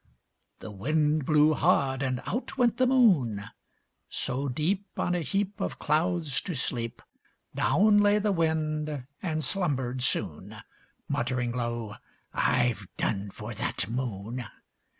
The Wind blew hard, and out went the Moon. So deep, On a heap Of clouds, to sleep, Down lay the Wind, and slumbered soon Muttering low, "I've done for that Moon."